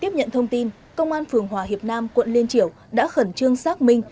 tiếp nhận thông tin công an phường hòa hiệp nam quận liên triểu đã khẩn trương xác minh